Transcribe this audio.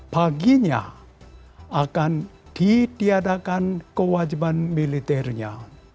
baginya akan didiadakan kewajiban militernya